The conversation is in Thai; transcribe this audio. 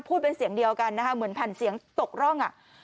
ผู้เป็นเสียงเดียวกันเหมือนผ่านเสียงตกร่้อง